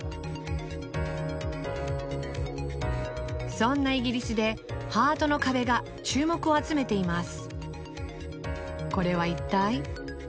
そんなイギリスでハートの壁が注目を集めています